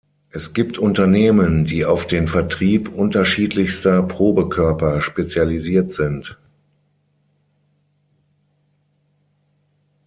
Es gibt Unternehmen, die auf den Vertrieb unterschiedlichster Probekörper spezialisiert sind.